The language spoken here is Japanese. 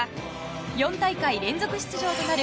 ４大会連続出場となる